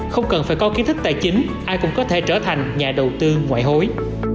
không cần phải có kiến thức tài chính ai cũng có thể trở thành nhà đầu tư ngoại hối